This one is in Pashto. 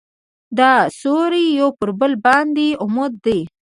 دا سوري یو پر بل باندې عمود دي.